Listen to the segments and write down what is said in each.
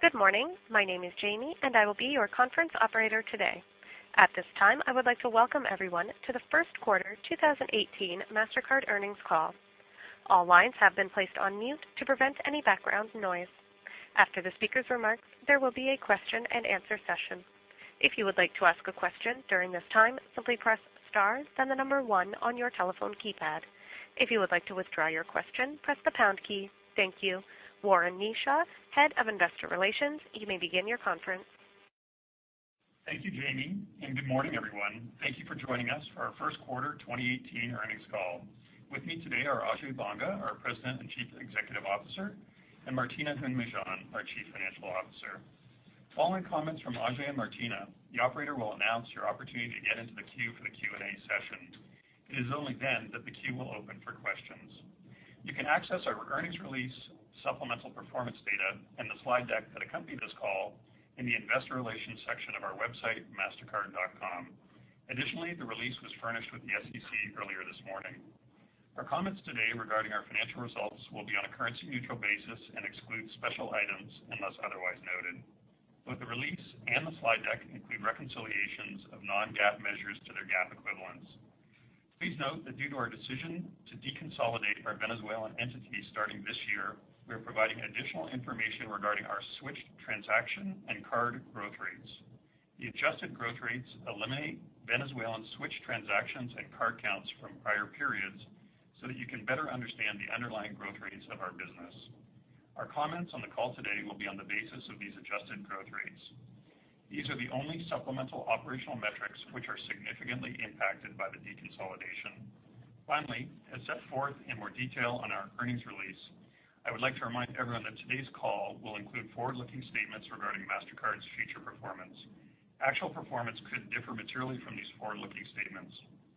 Good morning. My name is Jamie, and I will be your conference operator today. At this time, I would like to welcome everyone to the first quarter 2018 Mastercard earnings call. All lines have been placed on mute to prevent any background noise. After the speaker's remarks, there will be a question and answer session. If you would like to ask a question during this time, simply press star, then the number one on your telephone keypad. If you would like to withdraw your question, press the pound key. Thank you. Warren Kneeshaw, Head of Investor Relations, you may begin your conference. Thank you, Jamie, and good morning, everyone. Thank you for joining us for our first quarter 2018 earnings call. With me today are Ajay Banga, our President and Chief Executive Officer, and Martina Hund-Mejean, our Chief Financial Officer. Following comments from Ajay and Martina, the operator will announce your opportunity to get into the queue for the Q&A session. It is only then that the queue will open for questions. You can access our earnings release, supplemental performance data, and the slide deck that accompany this call in the investor relations section of our website, mastercard.com. Additionally, the release was furnished with the SEC earlier this morning. Our comments today regarding our financial results will be on a currency-neutral basis and exclude special items unless otherwise noted. Both the release and the slide deck include reconciliations of non-GAAP measures to their GAAP equivalents. Please note that due to our decision to deconsolidate our Venezuelan entities starting this year, we are providing additional information regarding our switched transaction and card growth rates. The adjusted growth rates eliminate Venezuelan switched transactions and card counts from prior periods so that you can better understand the underlying growth rates of our business. Our comments on the call today will be on the basis of these adjusted growth rates. These are the only supplemental operational metrics which are significantly impacted by the deconsolidation. Finally, as set forth in more detail on our earnings release, I would like to remind everyone that today's call will include forward-looking statements regarding Mastercard's future performance. Actual performance could differ materially from these forward-looking statements.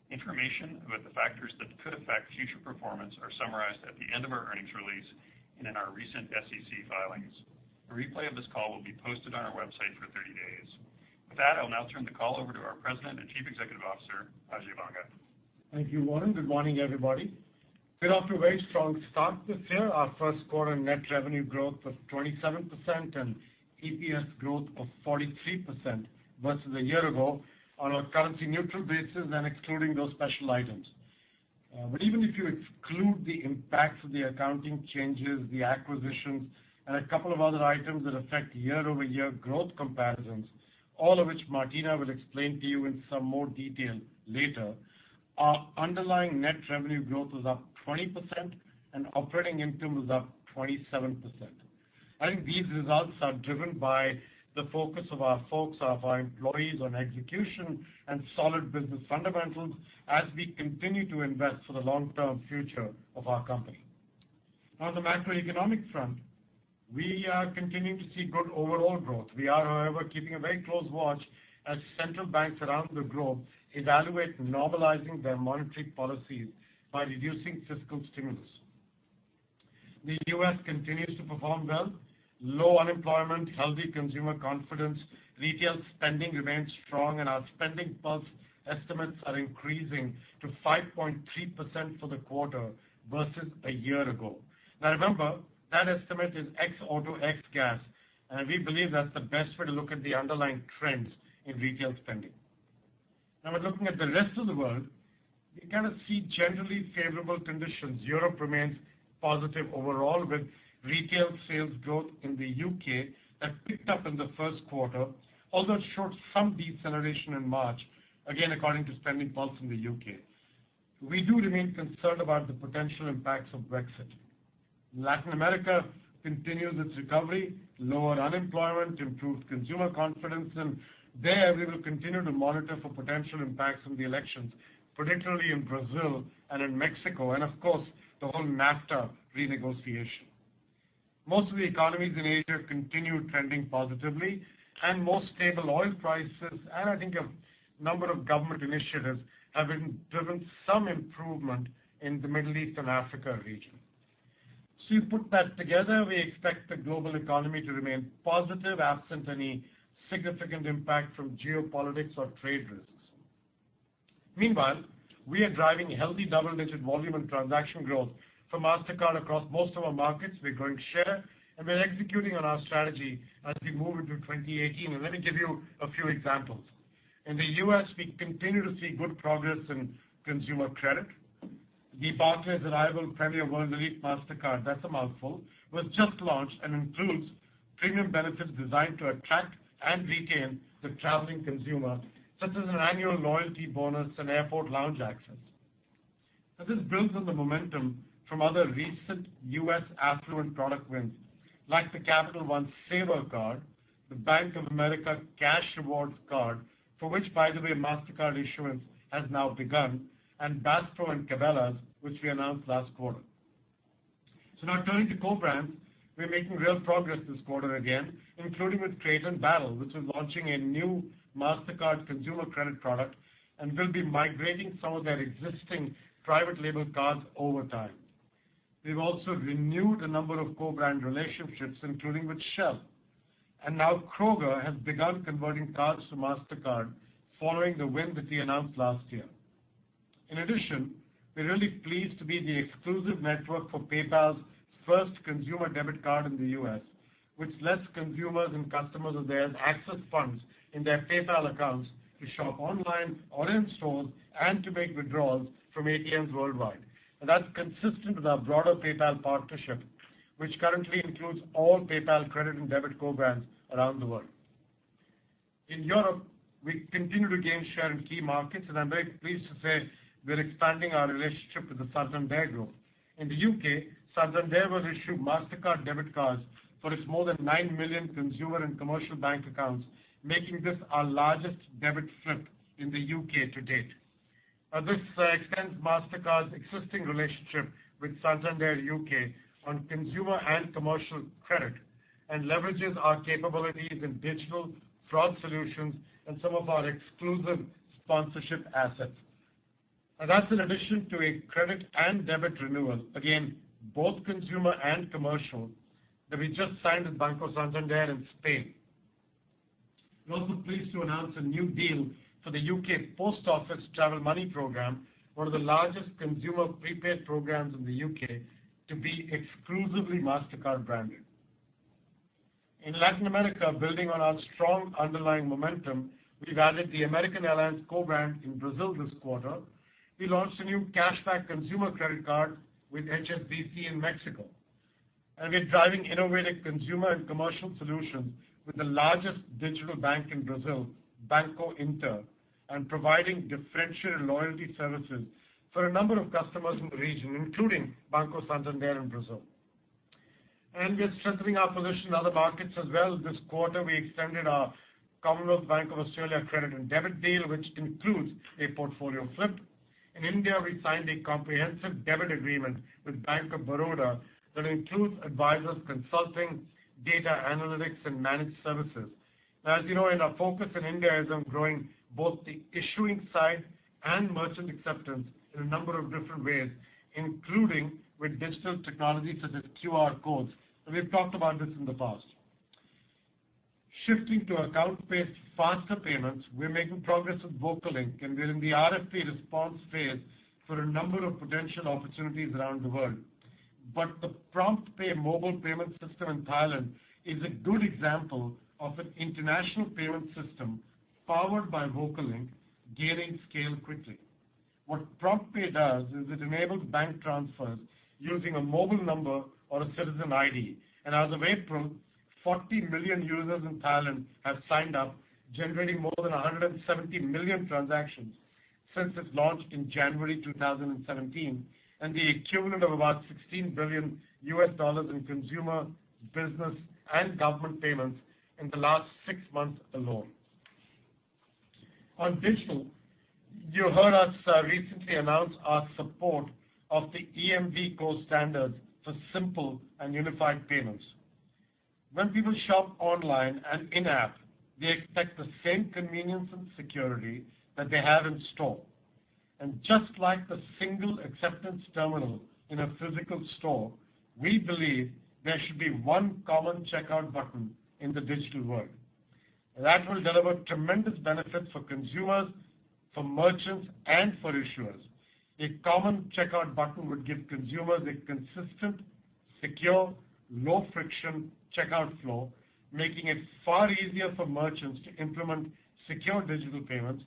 Information about the factors that could affect future performance are summarized at the end of our earnings release and in our recent SEC filings. A replay of this call will be posted on our website for 30 days. With that, I'll now turn the call over to our President and Chief Executive Officer, Ajay Banga. Thank you, Warren. Good morning, everybody. We're off to a very strong start this year. Our first quarter net revenue growth was 27% and EPS growth of 43% versus a year ago on a currency-neutral basis and excluding those special items. Even if you exclude the impacts of the accounting changes, the acquisitions, and a couple of other items that affect year-over-year growth comparisons, all of which Martina will explain to you in some more detail later, our underlying net revenue growth was up 20% and operating income was up 27%. I think these results are driven by the focus of our folks, of our employees on execution and solid business fundamentals as we continue to invest for the long-term future of our company. On the macroeconomic front, we are continuing to see good overall growth. We are, however, keeping a very close watch as central banks around the globe evaluate normalizing their monetary policies by reducing fiscal stimulus. The U.S. continues to perform well. Low unemployment, healthy consumer confidence, retail spending remains strong and our SpendingPulse estimates are increasing to 5.3% for the quarter versus a year ago. Remember, that estimate is ex auto, ex gas, and we believe that's the best way to look at the underlying trends in retail spending. We're looking at the rest of the world. We kind of see generally favorable conditions. Europe remains positive overall, with retail sales growth in the U.K. that picked up in the first quarter, although it showed some deceleration in March, again according to SpendingPulse in the U.K. We do remain concerned about the potential impacts of Brexit. Latin America continues its recovery; lower unemployment, improved consumer confidence. There, we will continue to monitor for potential impacts from the elections, particularly in Brazil and in Mexico, and of course, the whole NAFTA renegotiation. Most of the economies in Asia have continued trending positively and more stable oil prices, and I think a number of government initiatives have driven some improvement in the Middle East and Africa region. You put that together, we expect the global economy to remain positive absent any significant impact from geopolitics or trade risks. Meanwhile, we are driving healthy double-digit volume and transaction growth for Mastercard across most of our markets. We're growing share, and we're executing on our strategy as we move into 2018. Let me give you a few examples. In the U.S., we continue to see good progress in consumer credit. The Barclays Arrival Premier World Elite Mastercard, that's a mouthful, was just launched and includes premium benefits designed to attract and retain the traveling consumer, such as an annual loyalty bonus and airport lounge access. This builds on the momentum from other recent U.S. affluent product wins, like the Capital One Savor card, the Bank of America Cash Rewards card, for which, by the way, Mastercard issuance has now begun, and Bass Pro and Cabela's, which we announced last quarter. Now turning to co-brands, we're making real progress this quarter again, including with Crate & Barrel, which is launching a new Mastercard consumer credit product and will be migrating some of their existing private label cards over time. We've also renewed a number of co-brand relationships, including with Shell. Now Kroger has begun converting cards to Mastercard following the win that we announced last year. In addition, we're really pleased to be the exclusive network for PayPal's first consumer debit card in the U.S., which lets consumers and customers of theirs access funds in their PayPal accounts to shop online or in-store, to make withdrawals from ATMs worldwide. That's consistent with our broader PayPal partnership, which currently includes all PayPal credit and debit co-brands around the world. In Europe, we continue to gain share in key markets. I'm very pleased to say we're expanding our relationship with the Santander Group. In the U.K., Santander will issue Mastercard debit cards for its more than 9 million consumer and commercial bank accounts, making this our largest debit flip in the U.K. to date. This extends Mastercard's existing relationship with Santander U.K. on consumer and commercial credit and leverages our capabilities in digital fraud solutions and some of our exclusive sponsorship assets. That's in addition to a credit and debit renewal, again, both consumer and commercial, that we just signed with Banco Santander in Spain. We're also pleased to announce a new deal for the U.K. Post Office Travel Money Program, one of the largest consumer prepaid programs in the U.K., to be exclusively Mastercard branded. In Latin America, building on our strong underlying momentum, we've added the American Airlines co-brand in Brazil this quarter. We launched a new cashback consumer credit card with HSBC in Mexico. We're driving innovative consumer and commercial solutions with the largest digital bank in Brazil, Banco Inter, and providing differentiated loyalty services for a number of customers in the region, including Banco Santander in Brazil. We're strengthening our position in other markets as well. This quarter, we extended our Commonwealth Bank of Australia credit and debit deal, which includes a portfolio flip. In India, we signed a comprehensive debit agreement with Bank of Baroda that includes advisors, consulting, data analytics, and managed services. As you know, our focus in India is on growing both the issuing side and merchant acceptance in a number of different ways, including with digital technologies such as QR codes. We've talked about this in the past. Shifting to account-based faster payments, we're making progress with VocaLink, and we're in the RFP response phase for a number of potential opportunities around the world. The PromptPay mobile payment system in Thailand is a good example of an international payment system powered by VocaLink gaining scale quickly. What PromptPay does is it enables bank transfers using a mobile number or a citizen ID. As of April, 40 million users in Thailand have signed up, generating more than 170 million transactions since its launch in January 2017, and the equivalent of about $16 billion in consumer, business, and government payments in the last 6 months alone. On digital, you heard us recently announce our support of the EMVCo standards for simple and unified payments. When people shop online and in-app, they expect the same convenience and security that they have in-store. Just like the single acceptance terminal in a physical store, we believe there should be one common checkout button in the digital world. That will deliver tremendous benefits for consumers, for merchants, and for issuers. A common checkout button would give consumers a consistent, secure, low-friction checkout flow, making it far easier for merchants to implement secure digital payments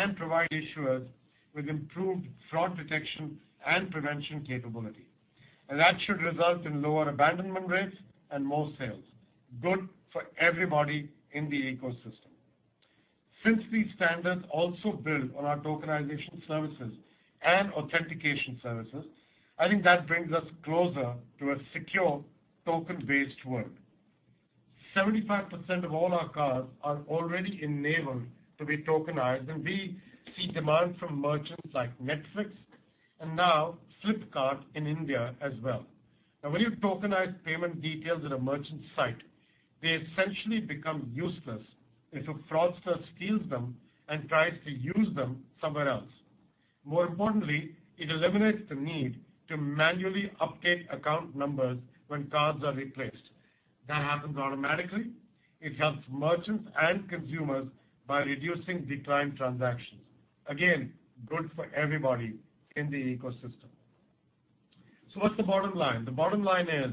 and provide issuers with improved fraud detection and prevention capability. That should result in lower abandonment rates and more sales. Good for everybody in the ecosystem. Since these standards also build on our tokenization services and authentication services, I think that brings us closer to a secure token-based world. 75% of all our cards are already enabled to be tokenized, and we see demand from merchants like Netflix and now Flipkart in India as well. When you tokenize payment details at a merchant site, they essentially become useless if a fraudster steals them and tries to use them somewhere else. More importantly, it eliminates the need to manually update account numbers when cards are replaced. That happens automatically. It helps merchants and consumers by reducing declined transactions. Again, good for everybody in the ecosystem. What's the bottom line? The bottom line is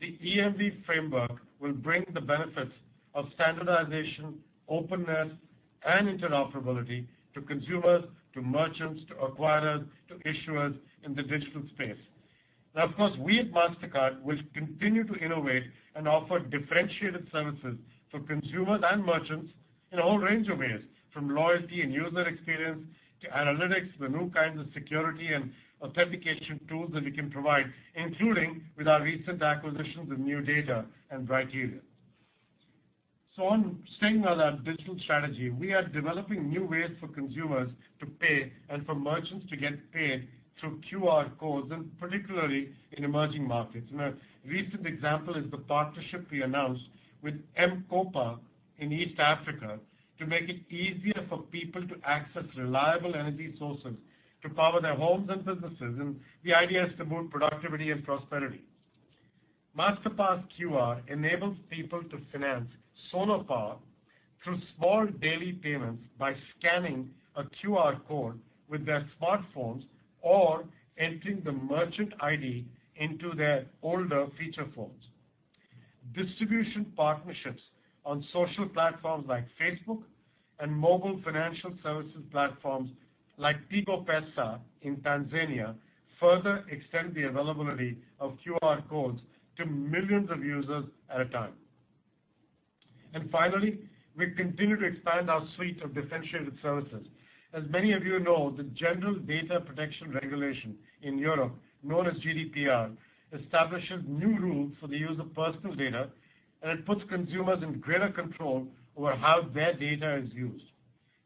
the EMV framework will bring the benefits of standardization, openness, and interoperability to consumers, to merchants, to acquirers, to issuers in the digital space. Of course, we at Mastercard will continue to innovate and offer differentiated services for consumers and merchants in a whole range of ways, from loyalty and user experience to analytics, the new kinds of security and authentication tools that we can provide, including with our recent acquisitions with NuData and Brighterion. On staying with our digital strategy, we are developing new ways for consumers to pay and for merchants to get paid through QR codes, and particularly in emerging markets. A recent example is the partnership we announced with M-KOPA in East Africa to make it easier for people to access reliable energy sources to power their homes and businesses. The idea is to boost productivity and prosperity. Masterpass QR enables people to finance solar power through small daily payments by scanning a QR code with their smartphones or entering the merchant ID into their older feature phones. Distribution partnerships on social platforms like Facebook and mobile financial services platforms like Tigo Pesa in Tanzania further extend the availability of QR codes to millions of users at a time. Finally, we continue to expand our suite of differentiated services. As many of you know, the General Data Protection Regulation in Europe, known as GDPR, establishes new rules for the use of personal data, and it puts consumers in greater control over how their data is used.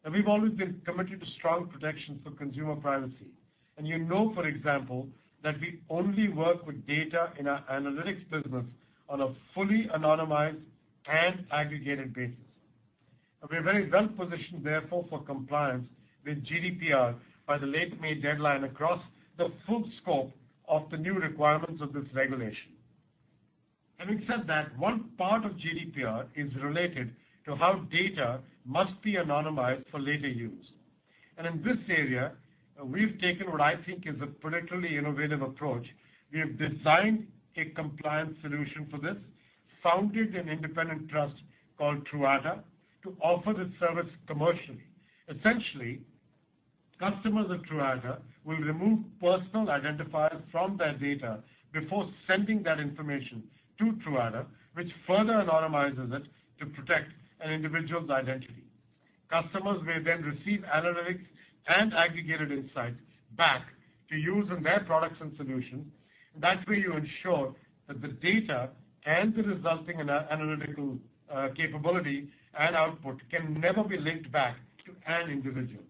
We've always been committed to strong protections for consumer privacy. You know, for example, that we only work with data in our analytics business on a fully anonymized and aggregated basis. We're very well-positioned, therefore, for compliance with GDPR by the late May deadline across the full scope of the new requirements of this regulation. Having said that, one part of GDPR is related to how data must be anonymized for later use. In this area, we've taken what I think is a particularly innovative approach. We have designed a compliance solution for this, founded an independent trust called Truata to offer this service commercially. Essentially, customers of Truata will remove personal identifiers from their data before sending that information to Truata, which further anonymizes it to protect an individual's identity. Customers may then receive analytics and aggregated insights back to use in their products and solutions. That way you ensure that the data and the resulting analytical capability and output can never be linked back to an individual.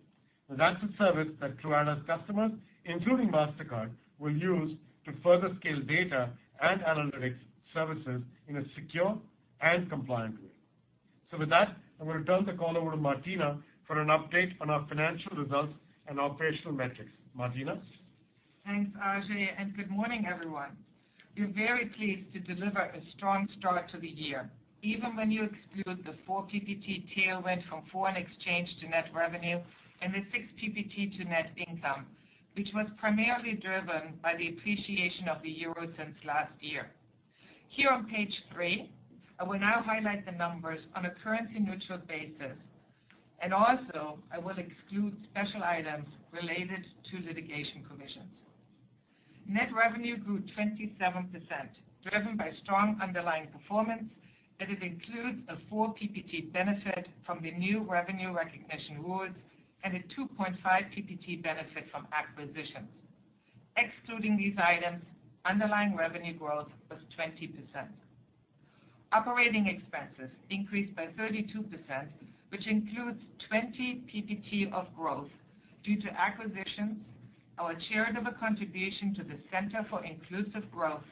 That's a service that Truata's customers, including Mastercard, will use to further scale data and analytics services in a secure and compliant way. With that, I'm going to turn the call over to Martina for an update on our financial results and operational metrics. Martina? Thanks, Ajay, good morning, everyone. We're very pleased to deliver a strong start to the year, even when you exclude the four PPT tailwind from foreign exchange to net revenue and the six PPT to net income, which was primarily driven by the appreciation of the euro since last year. Here on page three, I will now highlight the numbers on a currency-neutral basis. I will exclude special items related to litigation commissions. Net revenue grew 27%, driven by strong underlying performance that it includes a four PPT benefit from the new revenue recognition rules and a 2.5 PPT benefit from acquisitions. Excluding these items, underlying revenue growth was 20%. Operating expenses increased by 32%, which includes 20 PPT of growth due to acquisitions, our charitable contribution to the Center for Inclusive Growth,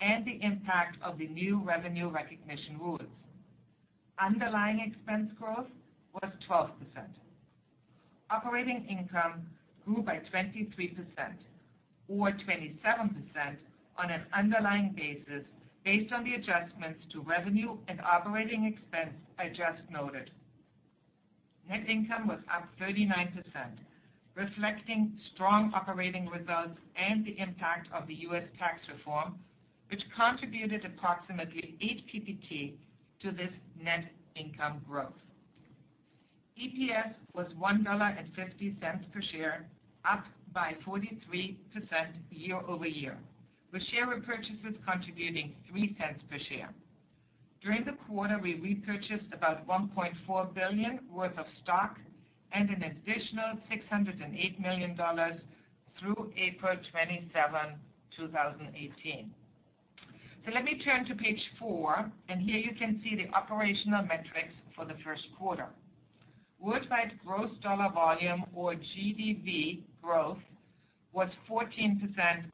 and the impact of the new revenue recognition rules. Underlying expense growth was 12%. Operating income grew by 23%, or 27% on an underlying basis based on the adjustments to revenue and operating expense I just noted. Net income was up 39%, reflecting strong operating results and the impact of the U.S. tax reform, which contributed approximately eight PPT to this net income growth. EPS was $1.50 per share, up by 43% year-over-year, with share repurchases contributing $0.03 per share. During the quarter, we repurchased about $1.4 billion worth of stock and an additional $608 million through April 27, 2018. Let me turn to page four. Here you can see the operational metrics for the first quarter. Worldwide gross dollar volume or GDV growth was 14%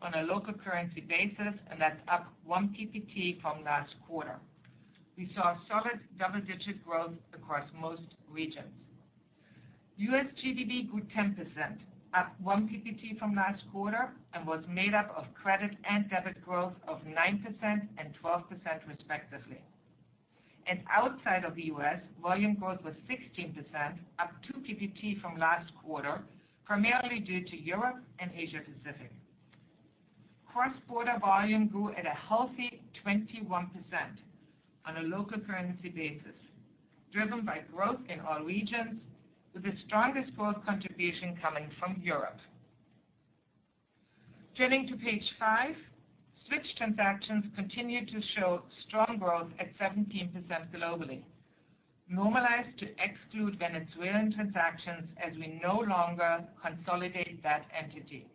on a local currency basis, that's up one PPT from last quarter. We saw solid double-digit growth across most regions. U.S. GDV grew 10%, up one PPT from last quarter, was made up of credit and debit growth of 9% and 12%, respectively. Outside of the U.S., volume growth was 16%, up two PPT from last quarter, primarily due to Europe and Asia-Pacific. Cross-border volume grew at a healthy 21% on a local currency basis, driven by growth in all regions, with the strongest growth contribution coming from Europe. Turning to page five, switch transactions continued to show strong growth at 17% globally, normalized to exclude Venezuelan transactions as we no longer consolidate that entity.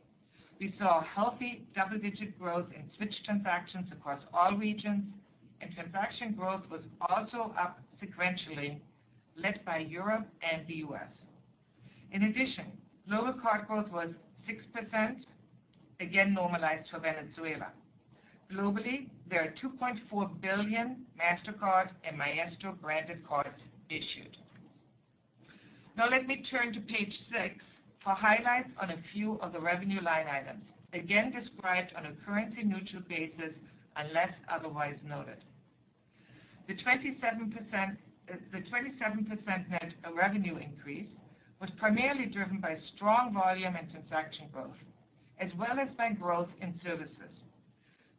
We saw healthy double-digit growth in switch transactions across all regions, transaction growth was also up sequentially, led by Europe and the U.S. In addition, global card growth was 6%, again normalized for Venezuela. Globally, there are 2.4 billion Mastercard and Maestro branded cards issued. Now let me turn to page six for highlights on a few of the revenue line items, again described on a currency-neutral basis unless otherwise noted. The 27% net revenue increase was primarily driven by strong volume and transaction growth, as well as by growth in services.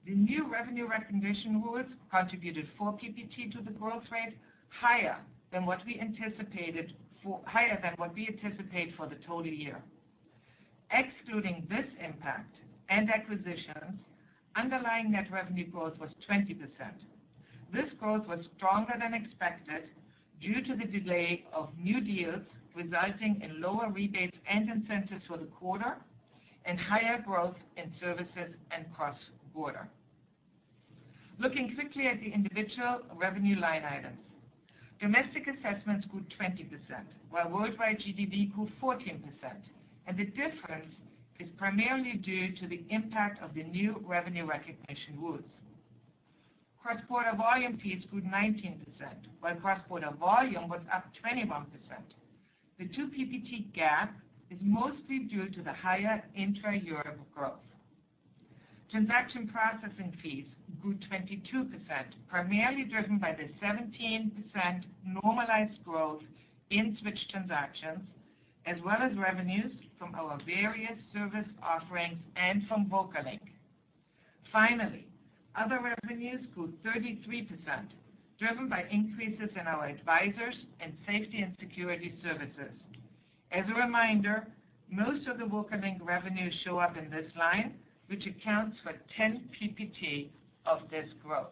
The new revenue recognition rules contributed four PPT to the growth rate higher than what we anticipate for the total year. Excluding this impact and acquisitions, underlying net revenue growth was 20%. This growth was stronger than expected due to the delay of new deals resulting in lower rebates and incentives for the quarter and higher growth in services and cross-border. Looking quickly at the individual revenue line items. Domestic assessments grew 20%, while worldwide GDV grew 14%, The difference is primarily due to the impact of the new revenue recognition rules. Cross-border volume fees grew 19%, while cross-border volume was up 21%. The two PPT gap is mostly due to the higher intra-Europe growth. Transaction processing fees grew 22%, primarily driven by the 17% normalized growth in switch transactions, as well as revenues from our various service offerings and from VocaLink. Finally, other revenues grew 33%, driven by increases in our advisors and safety and security services. As a reminder, most of the VocaLink revenues show up in this line, which accounts for 10 PPT of this growth.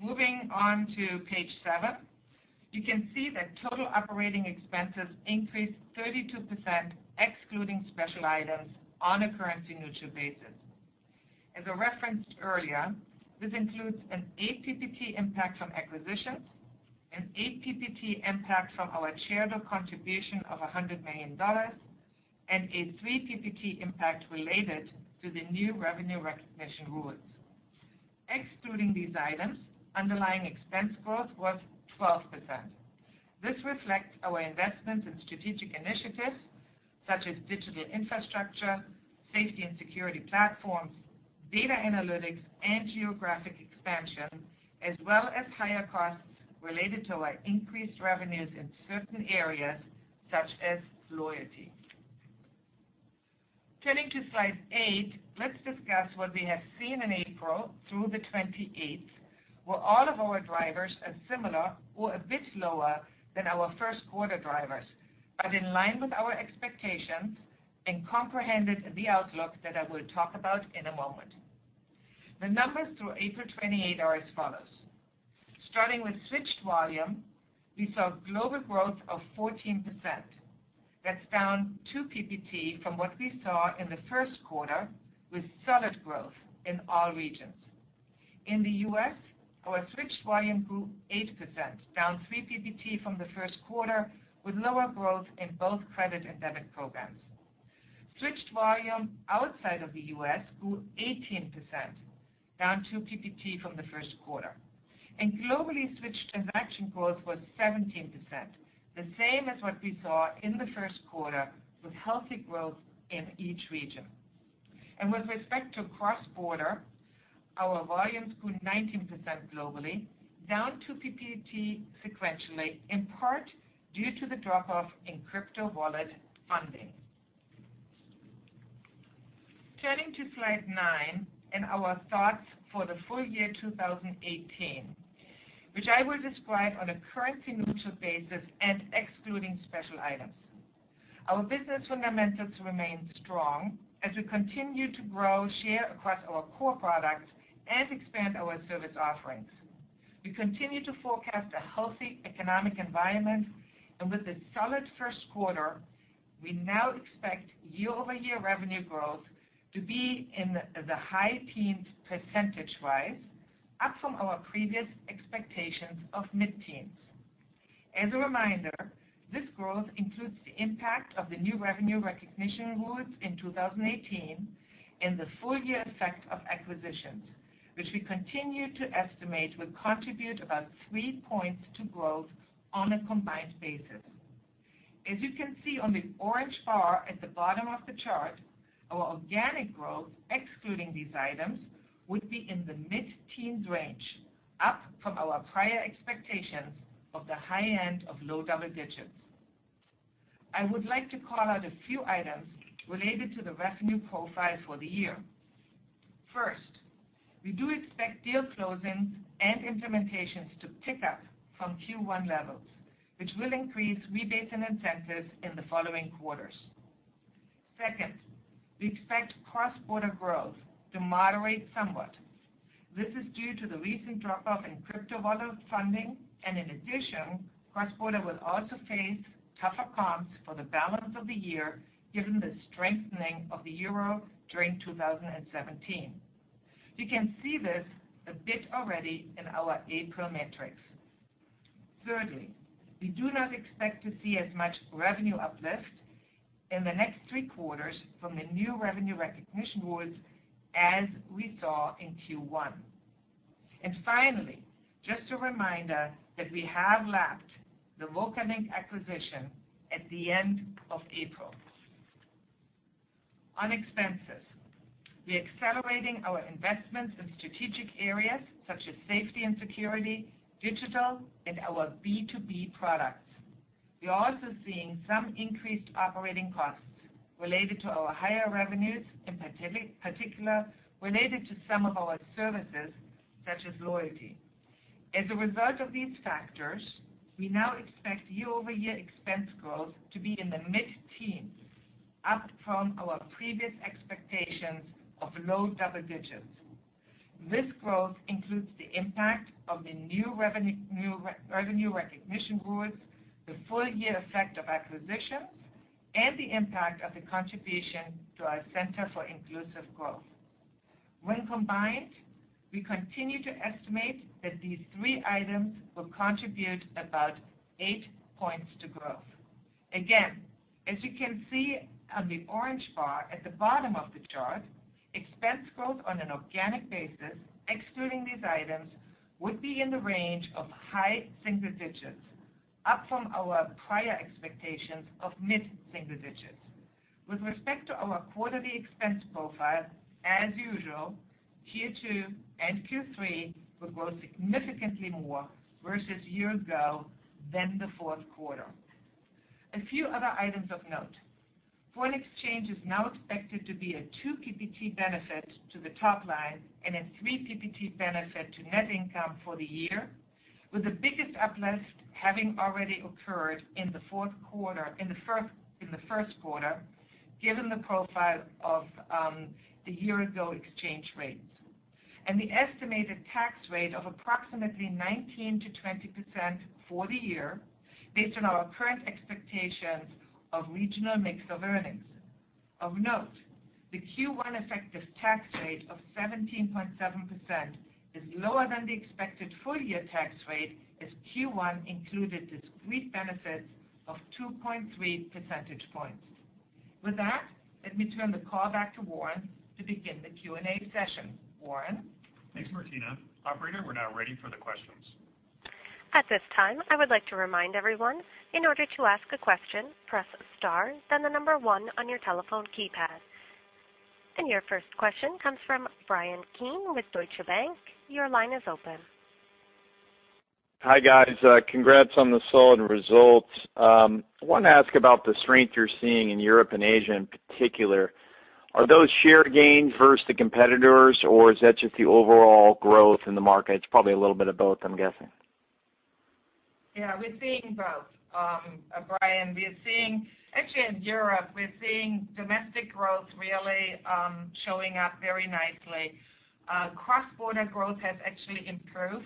Moving on to page seven, you can see that total operating expenses increased 32%, excluding special items on a currency-neutral basis. As I referenced earlier, this includes an eight PPT impact from acquisitions, an eight PPT impact from our shareholder contribution of $100 million, and a three PPT impact related to the new revenue recognition rules. Excluding these items, underlying expense growth was 12%. This reflects our investment in strategic initiatives such as digital infrastructure, safety and security platforms, data analytics, and geographic expansion, as well as higher costs related to our increased revenues in certain areas such as loyalty. Turning to slide eight, let's discuss what we have seen in April through the 28th, where all of our drivers are similar or a bit lower than our first quarter drivers, but in line with our expectations and comprehended in the outlook that I will talk about in a moment. The numbers through April 28 are as follows. Starting with switched volume, we saw global growth of 14%. That's down two PPT from what we saw in the first quarter with solid growth in all regions. In the U.S., our switched volume grew 8%, down three PPT from the first quarter with lower growth in both credit and debit programs. Switched volume outside of the U.S. grew 18%, down two PPT from the first quarter. Globally, switched transaction growth was 17%, the same as what we saw in the first quarter, with healthy growth in each region. With respect to cross-border, our volumes grew 19% globally, down two PPT sequentially, in part due to the drop-off in crypto wallet funding. Turning to slide nine and our thoughts for the full year 2018, which I will describe on a currency-neutral basis and excluding special items. Our business fundamentals remain strong as we continue to grow share across our core products and expand our service offerings. We continue to forecast a healthy economic environment. With a solid first quarter, we now expect year-over-year revenue growth to be in the high teens percentage-wise, up from our previous expectations of mid-teens. As a reminder, this growth includes the impact of the new revenue recognition rules in 2018 and the full-year effect of acquisitions, which we continue to estimate will contribute about three points to growth on a combined basis. As you can see on the orange bar at the bottom of the chart, our organic growth excluding these items would be in the mid-teens range, up from our prior expectations of the high end of low double digits. I would like to call out a few items related to the revenue profile for the year. First, we do expect deal closings and implementations to pick up from Q1 levels, which will increase rebates and incentives in the following quarters. Second, we expect cross-border growth to moderate somewhat. This is due to the recent drop-off in crypto wallet funding. In addition, cross-border will also face tougher comps for the balance of the year given the strengthening of the euro during 2017. You can see this a bit already in our April metrics. Thirdly, we do not expect to see as much revenue uplift in the next three quarters from the new revenue recognition rules as we saw in Q1. Finally, just a reminder that we have lapped the VocaLink acquisition at the end of April. On expenses, we are accelerating our investments in strategic areas such as safety and security, digital, and our B2B products. We are also seeing some increased operating costs related to our higher revenues, in particular, related to some of our services such as loyalty. As a result of these factors, we now expect year-over-year expense growth to be in the mid-teens, up from our previous expectations of low double digits. This growth includes the impact of the new revenue recognition rules, the full year effect of acquisitions, and the impact of the contribution to our Center for Inclusive Growth. When combined, we continue to estimate that these three items will contribute about eight points to growth. Again, as you can see on the orange bar at the bottom of the chart, expense growth on an organic basis, excluding these items, would be in the range of high single digits, up from our prior expectations of mid-single digits. With respect to our quarterly expense profile, as usual, Q2 and Q3 will grow significantly more versus year ago than the fourth quarter. A few other items of note. Foreign exchange is now expected to be a two PPT benefit to the top line and a three PPT benefit to net income for the year, with the biggest uplift having already occurred in the first quarter, given the profile of the year-ago exchange rates. The estimated tax rate of approximately 19%-20% for the year based on our current expectations of regional mix of earnings. Of note, the Q1 effective tax rate of 17.7% is lower than the expected full-year tax rate, as Q1 included discrete benefits of 2.3 percentage points. With that, let me turn the call back to Warren to begin the Q&A session. Warren? Thanks, Martina. Operator, we are now ready for the questions. At this time, I would like to remind everyone, in order to ask a question, press star, then the number 1 on your telephone keypad. Your first question comes from Bryan Keane with Deutsche Bank. Your line is open. Hi, guys. Congrats on the solid results. I want to ask about the strength you are seeing in Europe and Asia in particular. Are those share gains versus the competitors, or is that just the overall growth in the market? It is probably a little bit of both, I am guessing. Yeah, we are seeing both. Bryan, actually in Europe, we are seeing domestic growth really showing up very nicely. Cross-border growth has actually improved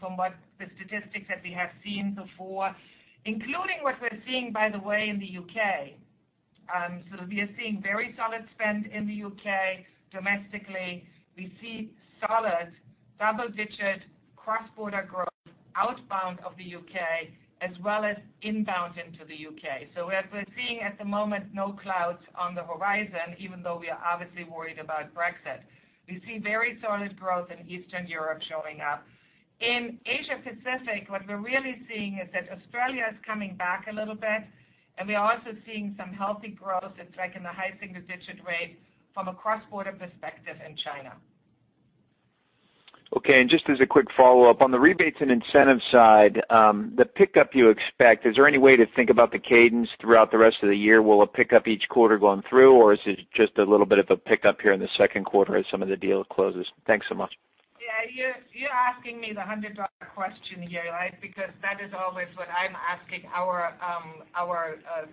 from what the statistics that we have seen before, including what we are seeing, by the way, in the U.K. We are seeing very solid spend in the U.K. domestically. We see solid double-digit cross-border growth outbound of the U.K. as well as inbound into the U.K. We are seeing at the moment no clouds on the horizon, even though we are obviously worried about Brexit. We see very solid growth in Eastern Europe showing up. In Asia Pacific, what we are really seeing is that Australia is coming back a little bit, and we are also seeing some healthy growth. It is like in the high single-digit rate from a cross-border perspective in China. Okay, just as a quick follow-up. On the rebates and incentive side, the pickup you expect, is there any way to think about the cadence throughout the rest of the year? Will it pick up each quarter going through, or is it just a little bit of a pickup here in the second quarter as some of the deal closes? Thanks so much. Yeah, you're asking me the $100 question here, right? That is always what I'm asking our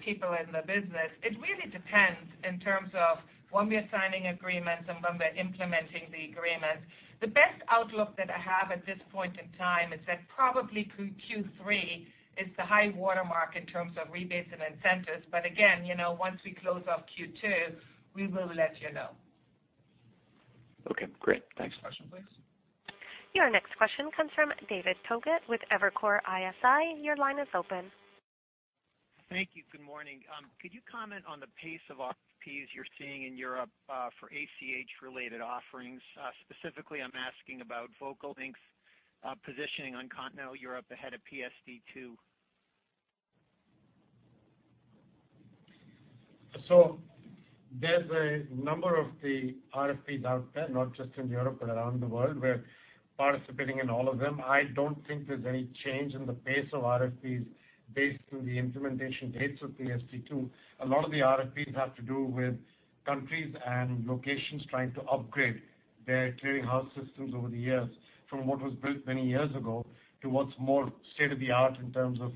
people in the business. It really depends in terms of when we are signing agreements and when we're implementing the agreements. The best outlook that I have at this point in time is that probably through Q3 is the high water mark in terms of rebates and incentives. Again, once we close off Q2, we will let you know. Okay, great. Thanks. Next question, please. Your next question comes from David Togut with Evercore ISI. Your line is open. Thank you. Good morning. Could you comment on the pace of RFPs you're seeing in Europe for ACH-related offerings? Specifically, I'm asking about VocaLink's positioning on continental Europe ahead of PSD2. There's a number of the RFPs out there, not just in Europe but around the world. We're participating in all of them. I don't think there's any change in the pace of RFPs based on the implementation dates of PSD2. A lot of the RFPs have to do with countries and locations trying to upgrade their clearing house systems over the years from what was built many years ago towards more state-of-the-art in terms of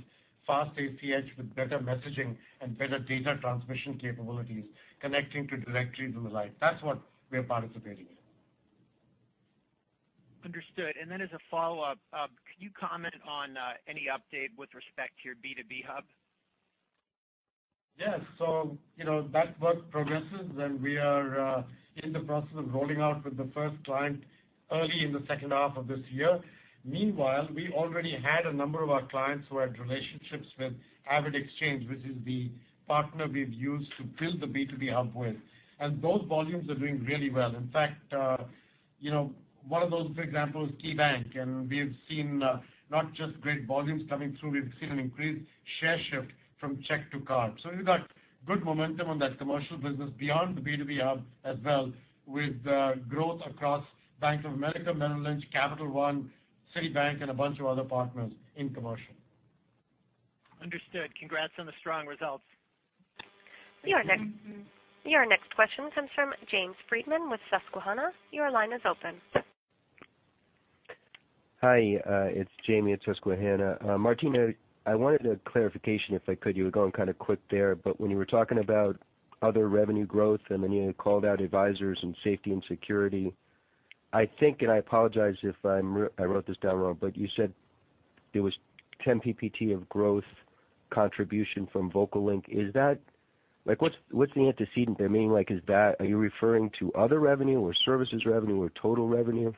fast ACH with better messaging and better data transmission capabilities connecting to directories and the like. That's what we are participating in. Understood. As a follow-up, could you comment on any update with respect to your B2B Hub? That work progresses and we are in the process of rolling out with the first client early in the second half of this year. Meanwhile, we already had a number of our clients who had relationships with AvidXchange, which is the partner we've used to build the B2B Hub with, and those volumes are doing really well. In fact, one of those, for example, is KeyBank, and we have seen not just great volumes coming through, we've seen an increased share shift from check to card. We've got good momentum on that commercial business beyond the B2B Hub as well, with growth across Bank of America, Merrill Lynch, Capital One, Citibank, and a bunch of other partners in commercial. Understood. Congrats on the strong results. Your next question comes from James Friedman with Susquehanna. Your line is open. Hi, it's Jamie at Susquehanna. Martina, I wanted a clarification, if I could. You were going kind of quick there, but when you were talking about other revenue growth, and then you had called out advisors and safety and security, I think, and I apologize if I wrote this down wrong, but you said it was 10 PPT of growth contribution from VocaLink. What's the antecedent there? Are you referring to other revenue or services revenue or total revenue?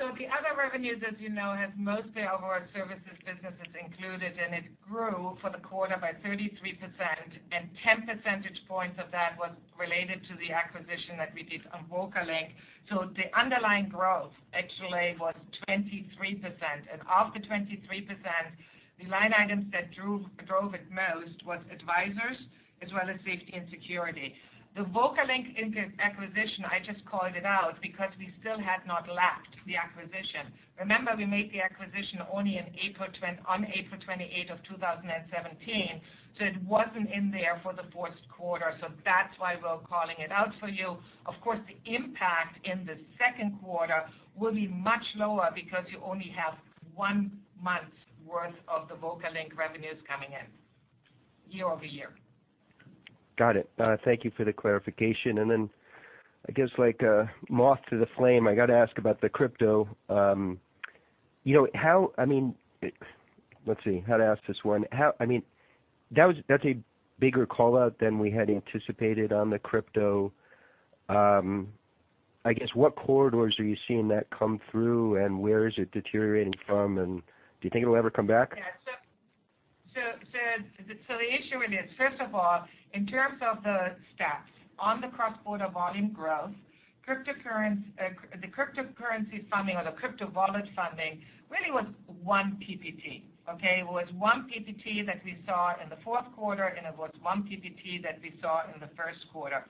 The other revenues, as you know, has mostly our services businesses included, and it grew for the quarter by 33%, and 10 percentage points of that was related to the acquisition that we did on VocaLink. The underlying growth actually was 23%. Of the 23%, the line items that drove it most was advisors as well as safety and security. The VocaLink acquisition, I just called it out because we still had not lapped the acquisition. Remember, we made the acquisition on April 28th of 2017, so it wasn't in there for the fourth quarter. That's why we're calling it out for you. Of course, the impact in the second quarter will be much lower because you only have one month's worth of the VocaLink revenues coming in year-over-year. Got it. Thank you for the clarification. Then I guess like a moth to the flame, I got to ask about the crypto. Let's see, how to ask this one. That's a bigger call-out than we had anticipated on the crypto. I guess, what corridors are you seeing that come through and where is it deteriorating from, and do you think it'll ever come back? The issue with it, first of all, in terms of the stats on the cross-border volume growth, the cryptocurrency funding or the crypto wallet funding really was one PPT. Okay? It was one PPT that we saw in the fourth quarter, and it was one PPT that we saw in the first quarter.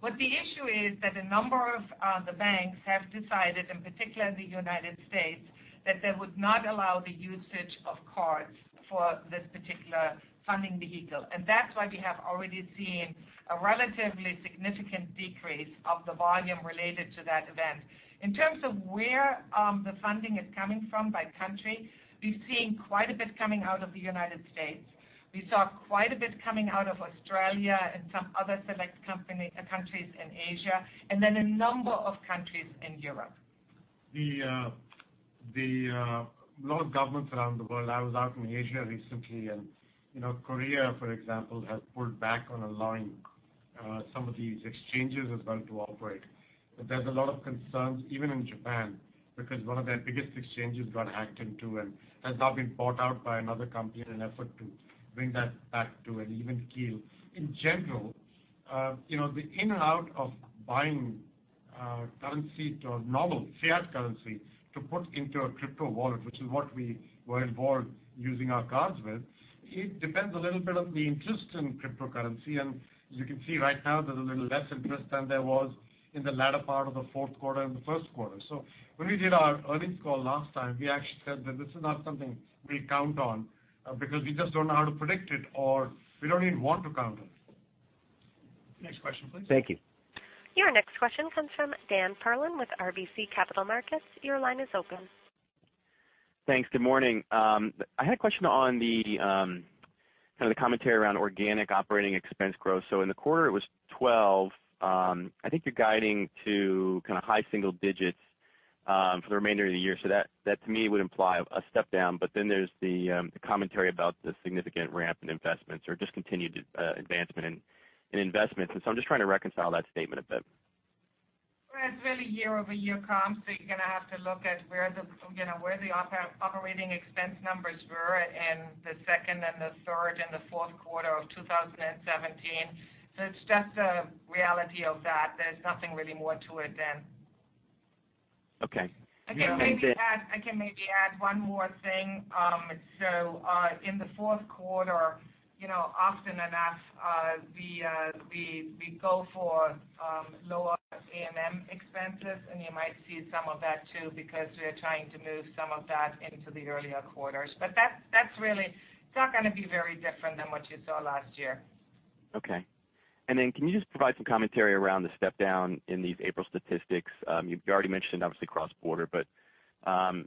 What the issue is that a number of the banks have decided, in particular in the U.S., that they would not allow the usage of cards for this particular funding vehicle. That's why we have already seen a relatively significant decrease of the volume related to that event. In terms of where the funding is coming from by country, we've seen quite a bit coming out of the U.S. We saw quite a bit coming out of Australia and some other select countries in Asia, and then a number of countries in Europe. The lot of governments around the world. I was out in Asia recently, and Korea, for example, has pulled back on allowing some of these exchanges as well to operate. There's a lot of concerns, even in Japan, because one of their biggest exchanges got hacked into and has now been bought out by another company in an effort to bring that back to an even keel. In general, the in and out of buying currency to a normal fiat currency to put into a crypto wallet, which is what we were involved using our cards with, it depends a little bit on the interest in cryptocurrency. As you can see right now, there's a little less interest than there was in the latter part of the fourth quarter and the first quarter. When we did our earnings call last time, we actually said that this is not something we count on because we just don't know how to predict it, or we don't even want to count on it. Next question, please. Thank you. Your next question comes from Dan Perlin with RBC Capital Markets. Your line is open. Thanks. Good morning. I had a question on the commentary around organic operating expense growth. In the quarter it was 12. I think you're guiding to high single digits for the remainder of the year. That to me would imply a step-down. There's the commentary about the significant ramp in investments or just continued advancement in investments. I'm just trying to reconcile that statement a bit. It's really year-over-year comp, you're going to have to look at where the operating expense numbers were in the second and the third and the fourth quarter of 2017. It's just a reality of that. There's nothing really more to it than. Okay. I can maybe add one more thing. In the fourth quarter, often enough we go for lower A&M expenses and you might see some of that too because we are trying to move some of that into the earlier quarters. That's really not going to be very different than what you saw last year. Okay. Can you just provide some commentary around the step-down in these April statistics? You already mentioned obviously cross-border, but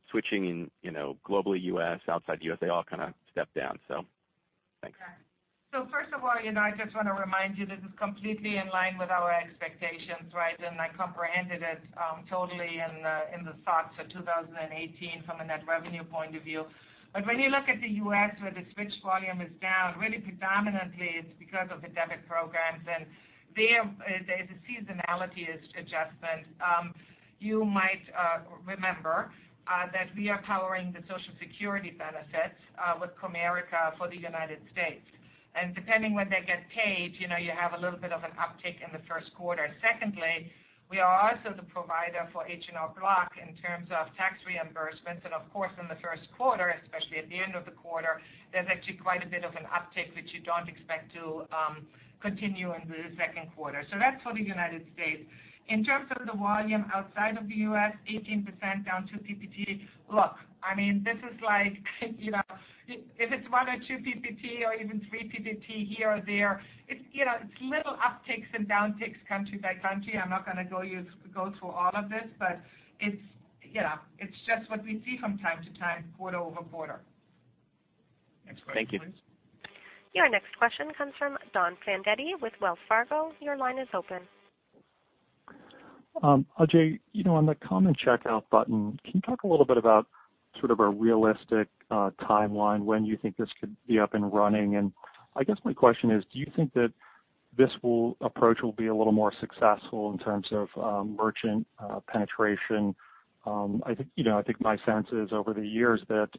switching in globally U.S., outside the U.S., they all kind of stepped down. Okay. First of all, I just want to remind you this is completely in line with our expectations, right? I comprehended it totally in the thoughts for 2018 from a net revenue point of view. When you look at the U.S. where the switch volume is down, really predominantly it's because of the debit programs and there's a seasonality adjustment. You might remember that we are powering the Social Security benefits with Comerica for the United States. Depending when they get paid, you have a little bit of an uptick in the first quarter. Secondly, we are also the provider for H&R Block in terms of tax reimbursements. Of course, in the first quarter, especially at the end of the quarter, there's actually quite a bit of an uptick that you don't expect to continue into the second quarter. That's for the United States. In terms of the volume outside of the U.S., 18% down 2 PPT. Look, if it's 1 or 2 PPT or even 3 PPT here or there, it's little upticks and downticks country by country. I'm not going to go through all of this, it's just what we see from time to time, quarter-over-quarter. Next question, please. Your next question comes from Donald Fandetti with Wells Fargo. Your line is open. Ajay, on the common checkout button, can you talk a little bit about sort of a realistic timeline when you think this could be up and running? I guess my question is, do you think that this approach will be a little more successful in terms of merchant penetration? I think my sense is over the years that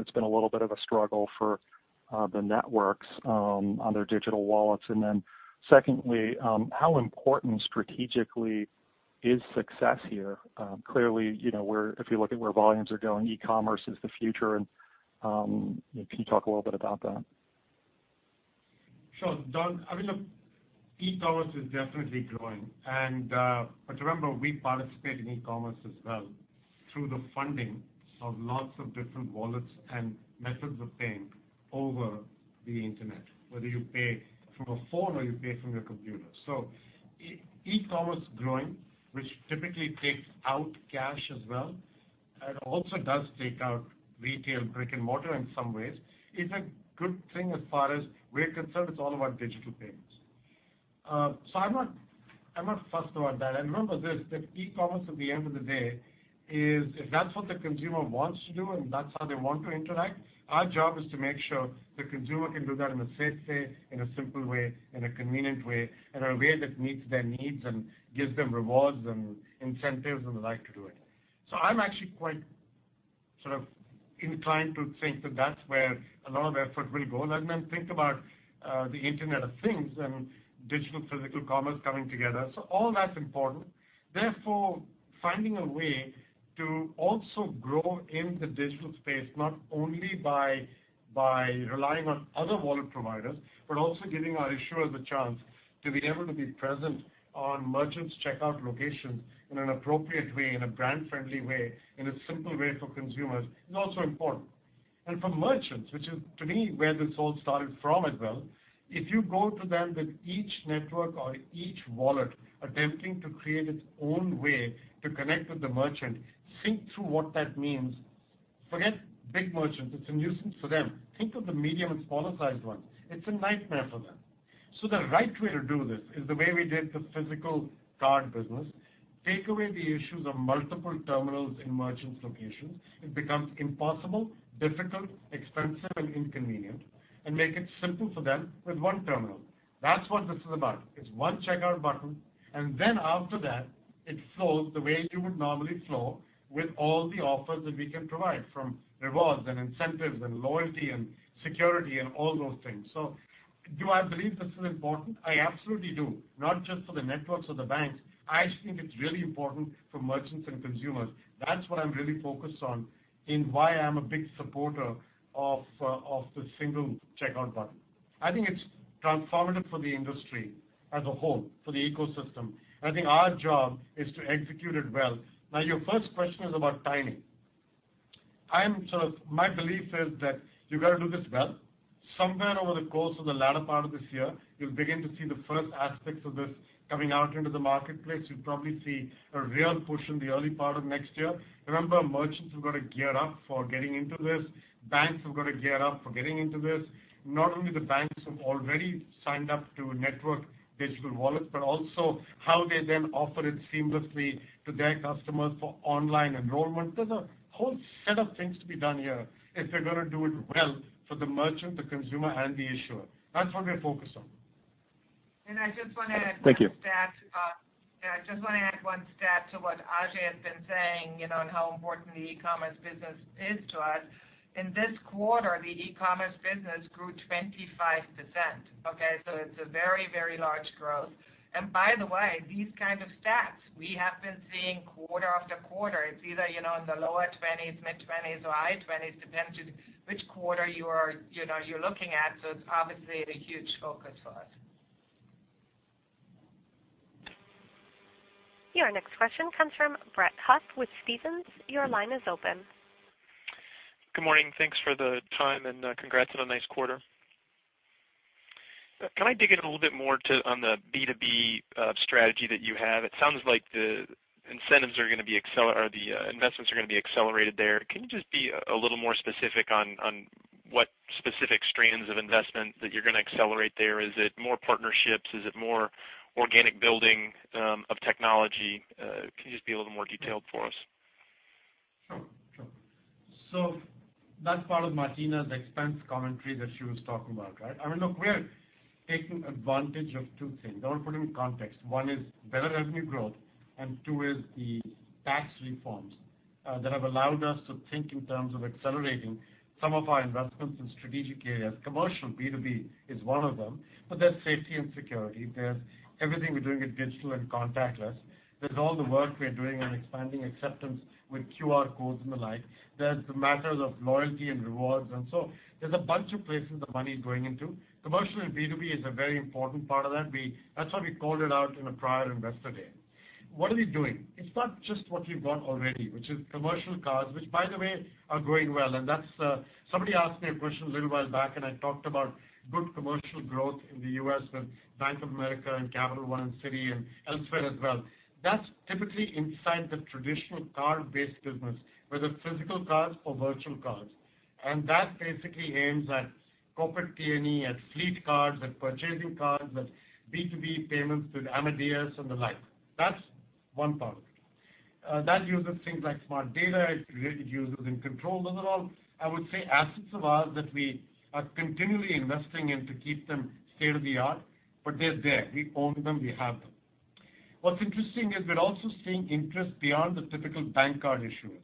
it's been a little bit of a struggle for the networks on their digital wallets. Then secondly, how important strategically is success here? Clearly, if you look at where volumes are going, e-commerce is the future and can you talk a little bit about that? Sure. Don, I mean, look, e-commerce is definitely growing. Remember, we participate in e-commerce as well through the funding of lots of different wallets and methods of paying over the internet, whether you pay from a phone or you pay from your computer. E-commerce growing, which typically takes out cash as well, and also does take out retail brick and mortar in some ways, is a good thing as far as we're concerned. It's all about digital payments. I'm not fussed about that. Remember this, that e-commerce at the end of the day is, if that's what the consumer wants to do and that's how they want to interact, our job is to make sure the consumer can do that in a safe way, in a simple way, in a convenient way, in a way that meets their needs and gives them rewards and incentives and the like to do it. I'm actually quite sort of inclined to think that that's where a lot of effort will go. Then think about the Internet of Things and digital physical commerce coming together. All that's important. Finding a way to also grow in the digital space, not only by relying on other wallet providers, but also giving our issuers a chance to be able to be present on merchants' checkout locations in an appropriate way, in a brand-friendly way, in a simple way for consumers is also important. For merchants, which is to me where this all started from as well, if you go to them with each network or each wallet attempting to create its own way to connect with the merchant, think through what that means. Forget big merchants. It is a nuisance for them. Think of the medium and smaller sized ones. It is a nightmare for them. The right way to do this is the way we did the physical card business. Take away the issues of multiple terminals in merchants' locations. It becomes impossible, difficult, expensive, and inconvenient, and make it simple for them with one terminal. That is what this is about. It is one checkout button, and then after that, it flows the way it would normally flow with all the offers that we can provide, from rewards and incentives and loyalty and security and all those things. Do I believe this is important? I absolutely do, not just for the networks or the banks. I think it is really important for merchants and consumers. That is what I am really focused on in why I am a big supporter of the single checkout button. I think it is transformative for the industry as a whole, for the ecosystem. I think our job is to execute it well. Your first question is about timing. My belief is that you got to do this well. Somewhere over the course of the latter part of this year, you will begin to see the first aspects of this coming out into the marketplace. You will probably see a real push in the early part of next year. Remember, merchants have got to gear up for getting into this. Banks have got to gear up for getting into this. Not only the banks who have already signed up to network digital wallets, but also how they then offer it seamlessly to their customers for online enrollment. There is a whole set of things to be done here if they are going to do it well for the merchant, the consumer, and the issuer. That is what we are focused on. I just want to add one stat. Thank you yeah, I just want to add one stat to what Ajay has been saying, on how important the e-commerce business is to us. In this quarter, the e-commerce business grew 25%, okay? It's a very, very large growth. By the way, these kind of stats we have been seeing quarter after quarter. It's either in the lower 20s, mid-20s, or high 20s, depends which quarter you're looking at. It's obviously a huge focus for us. Your next question comes from Brett Huff with Stephens. Your line is open. Good morning. Thanks for the time and congrats on a nice quarter. Can I dig in a little bit more on the B2B strategy that you have? It sounds like the investments are going to be accelerated there. Can you just be a little more specific on what specific strands of investment that you're going to accelerate there? Is it more partnerships? Is it more organic building of technology? Can you just be a little more detailed for us? Sure. That's part of Martina's expense commentary that she was talking about, right? Look, we're taking advantage of two things. I'll put it in context. One is better revenue growth, and two is the tax reforms that have allowed us to think in terms of accelerating some of our investments in strategic areas. Commercial B2B is one of them, but there's safety and security. There's everything we're doing in digital and contactless. There's all the work we're doing on expanding acceptance with QR codes and the like. There's the matters of loyalty and rewards. There's a bunch of places the money is going into. Commercial and B2B is a very important part of that. That's why we called it out in a prior investor day. What are we doing? It's not just what we've got already, which is commercial cards, which by the way, are going well. Somebody asked me a question a little while back and I talked about good commercial growth in the U.S. with Bank of America and Capital One and Citi and elsewhere as well. That's typically inside the traditional card-based business, whether it's physical cards or virtual cards. That basically aims at corporate T&E, at fleet cards, at purchasing cards, at B2B payments with Amadeus and the like. That's one part of it. That uses things like Smart Data. I would say assets of ours that we are continually investing in to keep them state-of-the-art, but they're there. We own them. We have them. What's interesting is we're also seeing interest beyond the typical bank card issuers.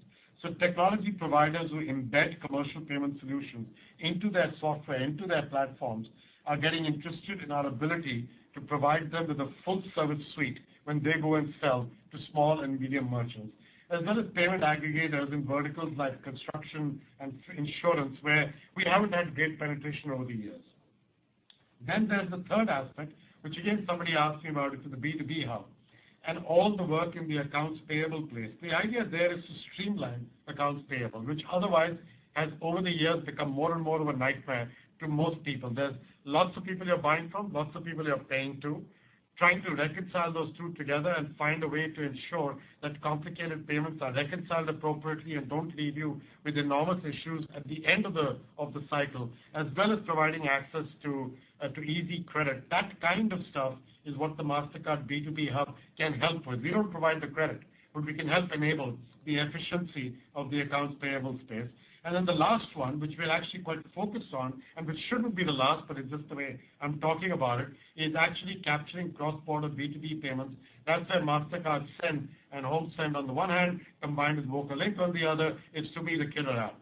Technology providers who embed commercial payment solutions into their software, into their platforms, are getting interested in our ability to provide them with a full service suite when they go and sell to small and medium merchants, as well as payment aggregators in verticals like construction and insurance, where we haven't had great penetration over the years. There's the third aspect, which again, somebody asked me about it in the Mastercard B2B Hub, and all the work in the accounts payable place. The idea there is to streamline accounts payable, which otherwise has over the years, become more and more of a nightmare to most people. There's lots of people you're buying from, lots of people you're paying to. Trying to reconcile those two together and find a way to ensure that complicated payments are reconciled appropriately and don't leave you with enormous issues at the end of the cycle, as well as providing access to easy credit. That kind of stuff is what the Mastercard B2B Hub can help with. We don't provide the credit, but we can help enable the efficiency of the accounts payable space. The last one, which we're actually quite focused on and which shouldn't be the last, but it's just the way I'm talking about it, is actually capturing cross-border B2B payments. That's where Mastercard Send and HomeSend on the one hand, combined with VocaLink on the other, is to be the killer app.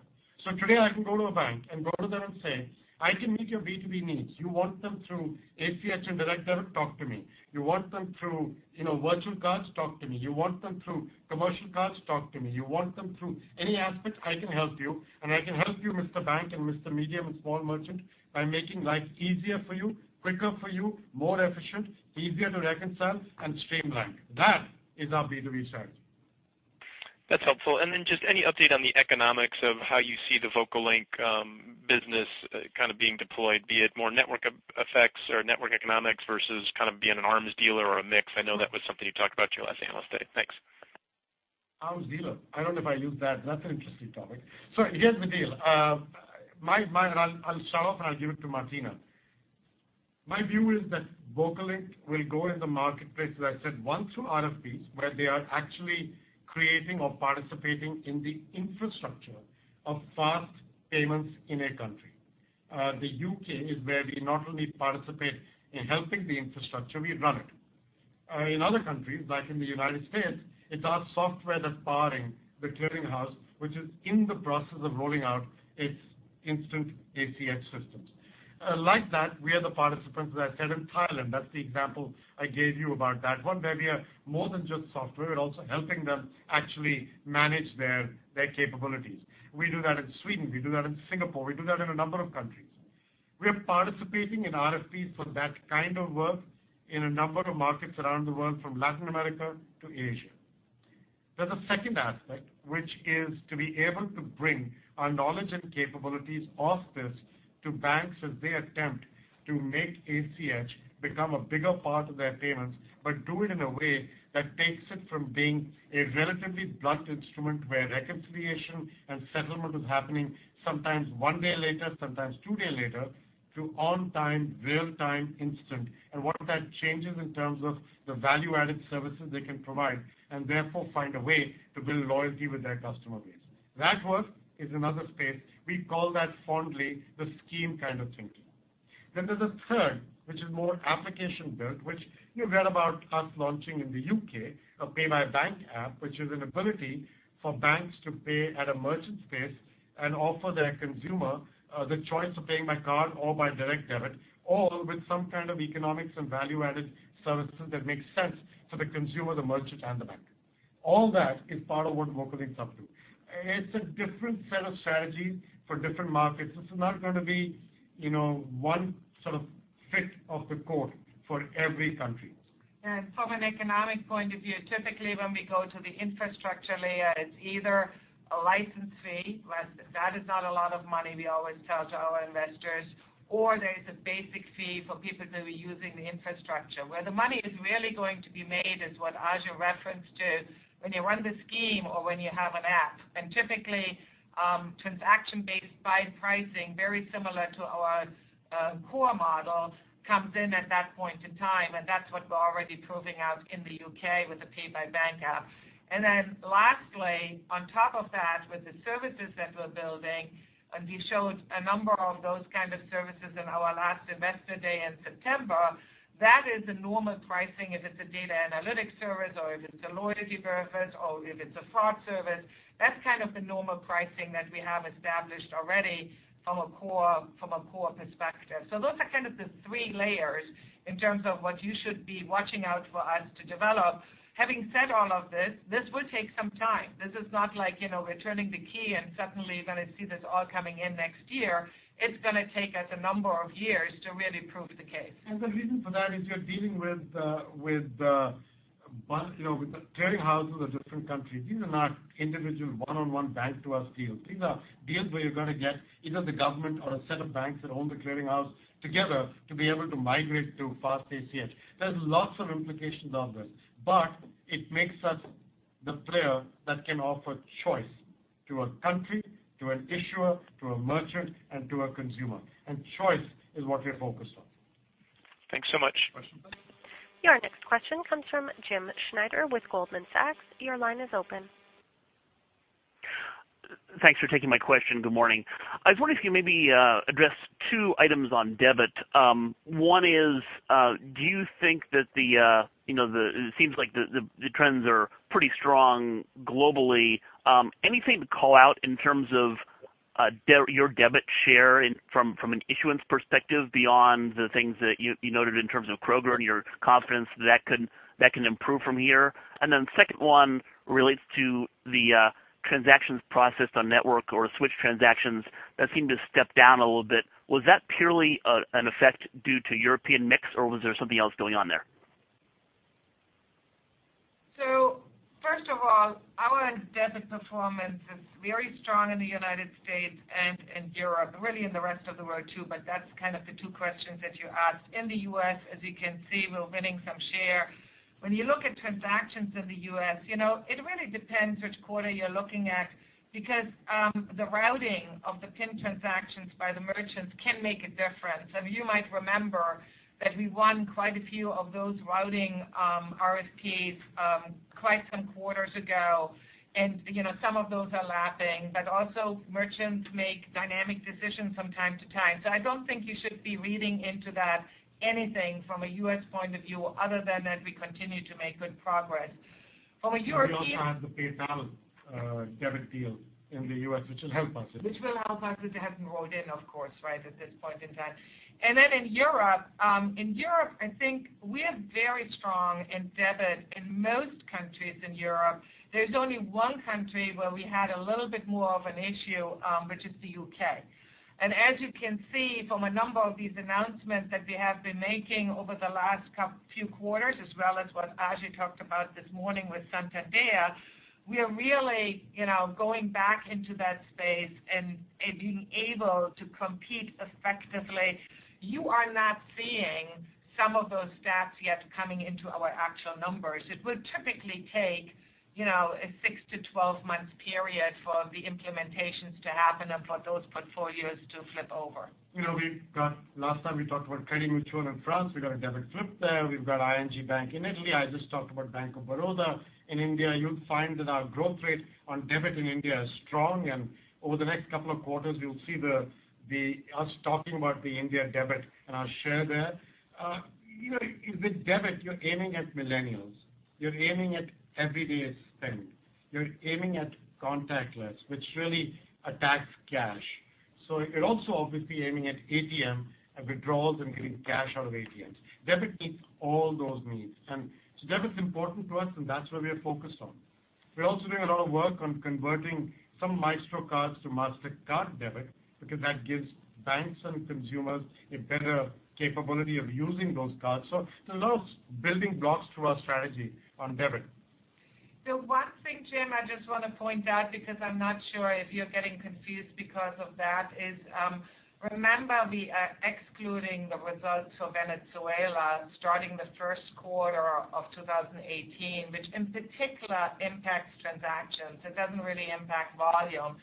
Today I can go to a bank and go to them and say, "I can meet your B2B needs. You want them through ACH and direct debit, talk to me. You want them through virtual cards, talk to me. You want them through commercial cards, talk to me. You want them through any aspect, I can help you, and I can help you, Mr. Bank and Mr. Medium and Small Merchant, by making life easier for you, quicker for you, more efficient, easier to reconcile, and streamlined." That is our B2B strategy. That's helpful. Just any update on the economics of how you see the VocaLink business being deployed, be it more network effects or network economics versus being an arms dealer or a mix. I know that was something you talked about your last Analyst Day. Thanks. Arms dealer. I don't know if I used that. That's an interesting topic. Here's the deal. I'll start off and I'll give it to Martina. My view is that VocaLink will go in the marketplace, as I said, one, through RFPs, where they are actually creating or participating in the infrastructure of fast payments in a country. The U.K. is where we not only participate in helping the infrastructure, we run it. In other countries, like in the U.S., it's our software that's powering the clearing house, which is in the process of rolling out its instant ACH systems. Like that, we are the participants, as I said, in Thailand. That's the example I gave you about that one, where we are more than just software. We're also helping them actually manage their capabilities. We do that in Sweden. We do that in Singapore. We do that in a number of countries. We are participating in RFPs for that kind of work in a number of markets around the world, from Latin America to Asia. There's a second aspect, which is to be able to bring our knowledge and capabilities of this to banks as they attempt to make ACH become a bigger part of their payments, but do it in a way that takes it from being a relatively blunt instrument where reconciliation and settlement is happening sometimes one day later, sometimes two days later, to on time, real time, instant. What that changes in terms of the value-added services they can provide, and therefore find a way to build loyalty with their customer base. That work is another space. We call that fondly the scheme kind of thinking. There's a third, which is more application built, which you read about us launching in the U.K., a Pay by Bank app, which is an ability for banks to pay at a merchant space and offer their consumer the choice of paying by card or by direct debit, or with some kind of economics and value-added services that makes sense for the consumer, the merchant, and the bank. All that is part of what VocaLink's up to. It's a different set of strategies for different markets. It's not going to be one sort of fit of the code for every country. From an economic point of view, typically when we go to the infrastructure layer, it's either a license fee. That is not a lot of money, we always tell to our investors, or there is a basic fee for people who are using the infrastructure. Where the money is really going to be made is what Ajay referenced to when you run the scheme or when you have an app. Typically, transaction-based price pricing, very similar to our core model, comes in at that point in time, and that's what we're already proving out in the U.K. with the Pay by Bank app. Lastly, on top of that, with the services that we're building, and we showed a number of those kind of services in our last investor day in September, that is a normal pricing if it's a data analytics service or if it's a loyalty service or if it's a fraud service. That's kind of the normal pricing that we have established already from a core perspective. Those are kind of the three layers in terms of what you should be watching out for us to develop. Having said all of this will take some time. This is not like we're turning the key and suddenly you're going to see this all coming in next year. It's going to take us a number of years to really prove the case. The reason for that is you're dealing with the clearing houses of different countries. These are not individual one-on-one bank-to-us deals. These are deals where you're going to get either the government or a set of banks that own the clearing house together to be able to migrate to Fast ACH. There's lots of implications of this, but it makes us the player that can offer choice to a country, to an issuer, to a merchant, and to a consumer. Choice is what we're focused on. Thanks so much. Questions? Your next question comes from James Schneider with Goldman Sachs. Your line is open. Thanks for taking my question. Good morning. I was wondering if you maybe address two items on debit. One is, it seems like the trends are pretty strong globally. Anything to call out in terms of your debit share from an issuance perspective beyond the things that you noted in terms of Kroger and your confidence that can improve from here? The second one relates to the transactions processed on network or switch transactions that seem to step down a little bit. Was that purely an effect due to European mix or was there something else going on there? First of all, our debit performance is very strong in the United States and in Europe, really in the rest of the world too, but that's kind of the two questions that you asked. In the U.S., as you can see, we're winning some share. When you look at transactions in the U.S., it really depends which quarter you're looking at because the routing of the PIN transactions by the merchants can make a difference. You might remember that we won quite a few of those routing RFPs quite some quarters ago, and some of those are lapping, but also merchants make dynamic decisions from time to time. I don't think you should be reading into that anything from a U.S. point of view other than that we continue to make good progress. From a European- We also have the PayPal debit deal in the U.S. which will help us. Which will help us because it hasn't rolled in, of course, right at this point in time. In Europe, I think we are very strong in debit in most countries in Europe. There's only one country where we had a little bit more of an issue, which is the U.K. As you can see from a number of these announcements that we have been making over the last few quarters, as well as what Ajay talked about this morning with Santander, we are really going back into that space and being able to compete effectively. You are not seeing some of those stats yet coming into our actual numbers. It would typically take a six to 12 months period for the implementations to happen and for those portfolios to flip over. Last time we talked about Crédit Mutuel in France. We got a debit flip there. We've got ING Bank in Italy. I just talked about Bank of Baroda in India. You'll find that our growth rate on debit in India is strong, and over the next couple of quarters, you'll see us talking about the India debit and our share there. With debit, you're aiming at millennials. You're aiming at everyday spend. You're aiming at contactless, which really attacks cash. You're also obviously aiming at ATM and withdrawals and getting cash out of ATMs. Debit ticks all those needs. Debit's important to us and that's where we are focused on. We're also doing a lot of work on converting some Maestro cards to Mastercard debit because that gives banks and consumers a better capability of using those cards. There's a lot of building blocks to our strategy on debit. The one thing, Jim, I just want to point out because I'm not sure if you're getting confused because of that is, remember we are excluding the results of Venezuela starting the first quarter of 2018, which in particular impacts transactions. It doesn't really impact volume.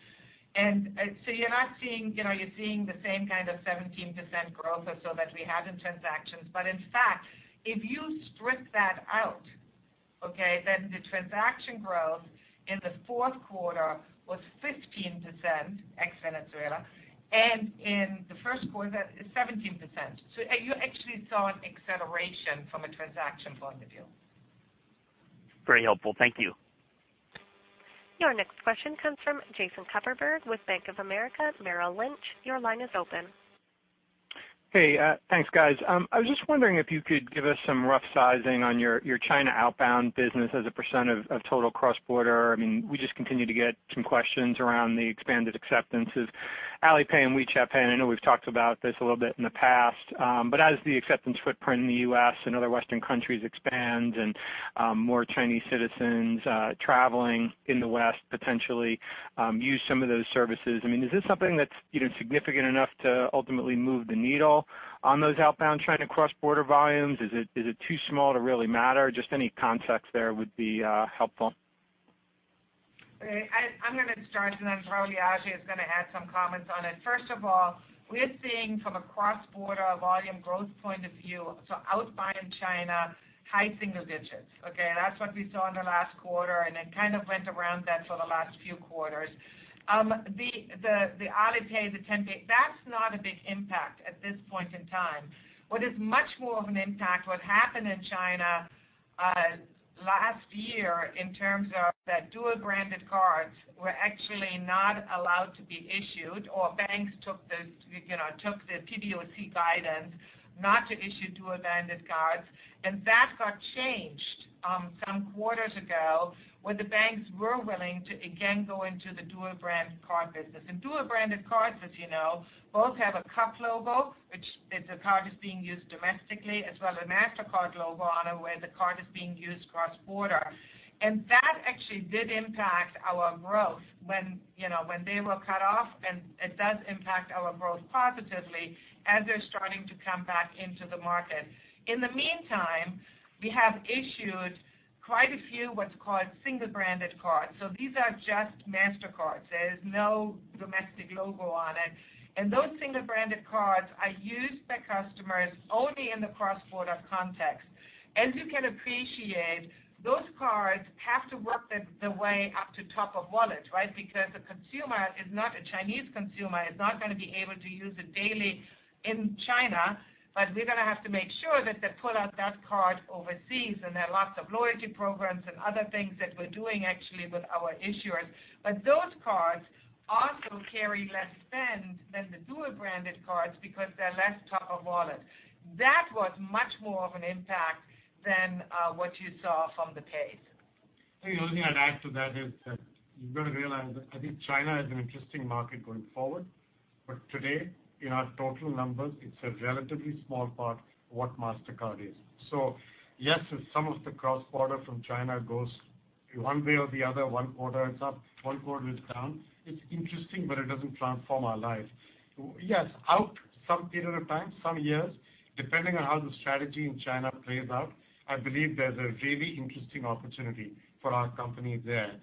You're seeing the same kind of 17% growth or so that we had in transactions. In fact, if you strip that out, okay, then the transaction growth in the fourth quarter was 15% ex Venezuela, and in the first quarter, 17%. You actually saw an acceleration from a transaction point of view. Very helpful. Thank you. Your next question comes from Jason Kupferberg with Bank of America Merrill Lynch. Your line is open. Hey, thanks guys. I was just wondering if you could give us some rough sizing on your China outbound business as a percent of total cross-border. We just continue to get some questions around the expanded acceptances Alipay and WeChat Pay, and I know we've talked about this a little bit in the past. As the acceptance footprint in the U.S. and other Western countries expands and more Chinese citizens traveling in the West potentially use some of those services, is this something that's significant enough to ultimately move the needle on those outbound China cross-border volumes? Is it too small to really matter? Just any context there would be helpful. Okay. I'm going to start, then probably Ajay is going to add some comments on it. First of all, we're seeing from a cross-border volume growth point of view, so outbound China, high single digits, okay? That's what we saw in the last quarter, and it kind of went around that for the last few quarters. The Alipay, the Tenpay, that's not a big impact at this point in time. What is much more of an impact, what happened in China last year in terms of the dual-branded cards were actually not allowed to be issued, or banks took the PBOC guidance not to issue dual-branded cards. That got changed some quarters ago, when the banks were willing to again go into the dual-brand card business. Dual-branded cards, as you know, both have a UnionPay logo, which is a card that's being used domestically, as well a Mastercard logo on it where the card is being used cross-border. That actually did impact our growth when they were cut off, and it does impact our growth positively as they're starting to come back into the market. In the meantime, we have issued quite a few what's called single-branded cards. These are just Mastercards. There's no domestic logo on it. Those single-branded cards are used by customers only in the cross-border context. As you can appreciate, those cards have to work their way up to top of wallet. Because a Chinese consumer is not going to be able to use it daily in China, but we're going to have to make sure that they pull out that card overseas. There are lots of loyalty programs and other things that we're doing actually with our issuers. Those cards also carry less spend than the dual-branded cards because they're less top of wallet. That was much more of an impact than what you saw from the pays. The only thing I'd add to that is that you've got to realize that I think China is an interesting market going forward. Today, in our total numbers, it's a relatively small part of what Mastercard is. Yes, if some of the cross-border from China goes one way or the other, one quarter it's up, one quarter it's down. It's interesting, but it doesn't transform our lives. Yes, out some period of time, some years, depending on how the strategy in China plays out, I believe there's a really interesting opportunity for our company there.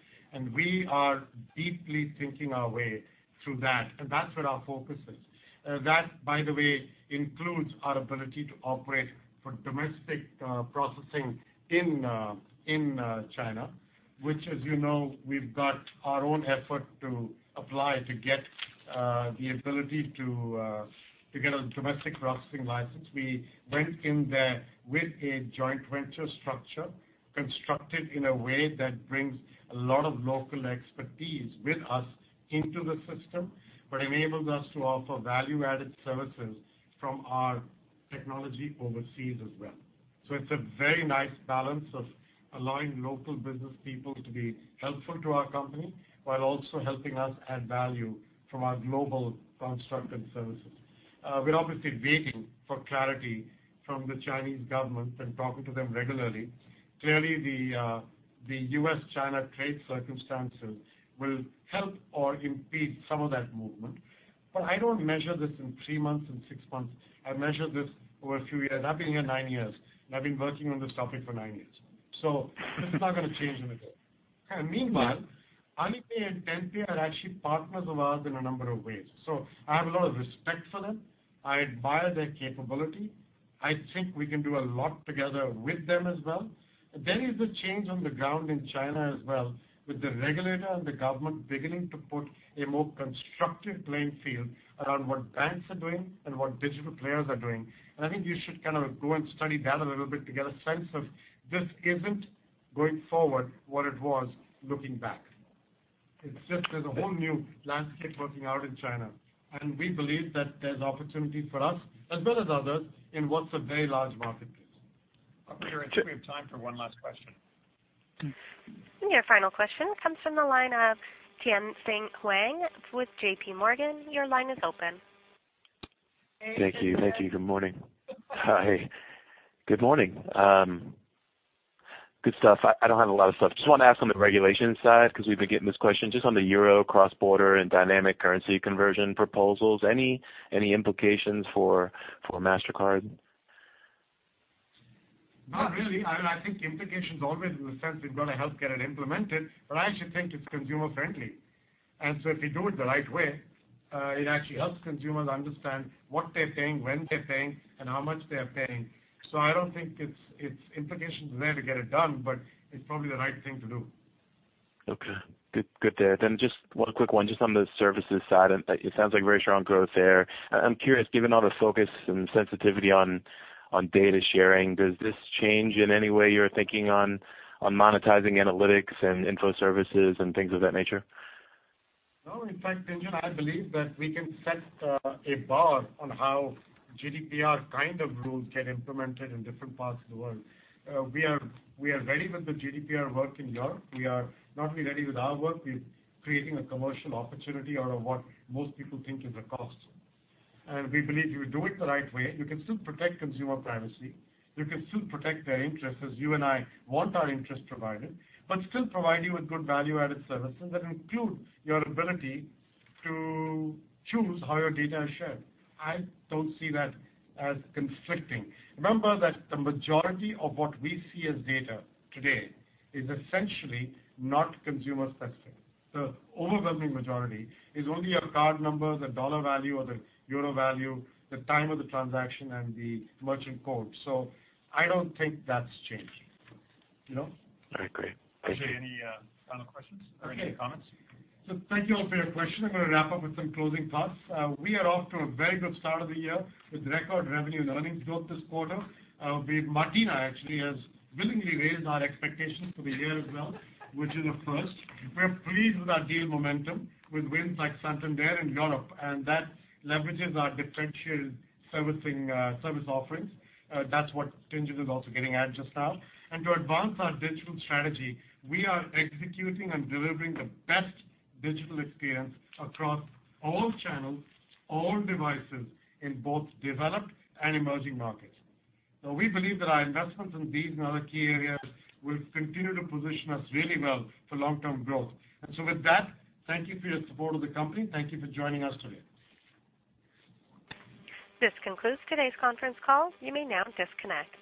We are deeply thinking our way through that, and that's where our focus is. That, by the way, includes our ability to operate for domestic processing in China, which as you know, we've got our own effort to apply to get the ability to get a domestic processing license. We went in there with a joint venture structure constructed in a way that brings a lot of local expertise with us into the system, but enables us to offer value-added services from our technology overseas as well. It's a very nice balance of allowing local business people to be helpful to our company while also helping us add value from our global constructed services. We're obviously waiting for clarity from the Chinese government and talking to them regularly. Clearly, the U.S.-China trade circumstances will help or impede some of that movement. I don't measure this in three months, in six months. I measure this over a few years. I've been here nine years, and I've been working on this topic for nine years. This is not going to change in a day. Meanwhile, Alipay and Tenpay are actually partners of ours in a number of ways. I have a lot of respect for them. I admire their capability. I think we can do a lot together with them as well. There is a change on the ground in China as well, with the regulator and the government beginning to put a more constructive playing field around what banks are doing and what digital players are doing. I think you should go and study that a little bit to get a sense of this isn't going forward what it was looking back. It's just there's a whole new landscape working out in China, and we believe that there's opportunity for us as well as others in what's a very large marketplace. Operator, I think we have time for one last question. Your final question comes from the line of Tien-tsin Huang with JPMorgan. Your line is open. Hey, Tien-tsin. Thank you. Good morning. Hi. Good morning. Good stuff. I don't have a lot of stuff. Just want to ask on the regulation side because we've been getting this question. Just on the Euro cross-border and dynamic currency conversion proposals, any implications for Mastercard? Not really. I think the implication's always in the sense we've got to help get it implemented. I actually think it's consumer friendly. If you do it the right way, it actually helps consumers understand what they're paying, when they're paying, and how much they're paying. I don't think its implication is there to get it done, but it's probably the right thing to do. Okay. Good there. Just one quick one, just on the services side. It sounds very strong growth there. I'm curious, given all the focus and sensitivity on data sharing, does this change in any way your thinking on monetizing analytics and info services and things of that nature? No. In fact, Tien-tsin, I believe that we can set a bar on how GDPR kind of rules get implemented in different parts of the world. We are ready with the GDPR work in Europe. We are not only ready with our work, we're creating a commercial opportunity out of what most people think is a cost. We believe if you do it the right way, you can still protect consumer privacy, you can still protect their interests as you and I want our interests provided, but still provide you with good value-added services that include your ability to choose how your data is shared. I don't see that as conflicting. Remember that the majority of what we see as data today is essentially not consumer sensitive. The overwhelming majority is only a card number, the $ value or the EUR value, the time of the transaction, and the merchant code. I don't think that's changing. All right, great. Thank you. Ajay, any final questions or any comments? Thank you all for your questions. I'm going to wrap up with some closing thoughts. We are off to a very good start of the year with record revenue and earnings growth this quarter. Martina actually has willingly raised our expectations for the year as well, which is a first. We're pleased with our deal momentum with wins like Santander in Europe, that leverages our differential service offerings. That's what Tien-tsin is also getting at just now. To advance our digital strategy, we are executing and delivering the best digital experience across all channels, all devices, in both developed and emerging markets. We believe that our investments in these and other key areas will continue to position us really well for long-term growth. With that, thank you for your support of the company. Thank you for joining us today. This concludes today's conference call. You may now disconnect.